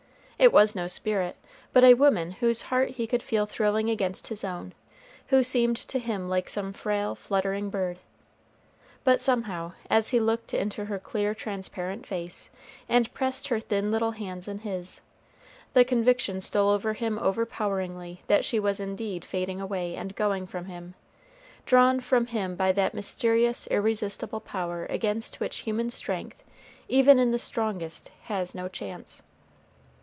It was no spirit, but a woman whose heart he could feel thrilling against his own; who seemed to him like some frail, fluttering bird; but somehow, as he looked into her clear, transparent face, and pressed her thin little hands in his, the conviction stole over him overpoweringly that she was indeed fading away and going from him, drawn from him by that mysterious, irresistible power against which human strength, even in the strongest, has no chance.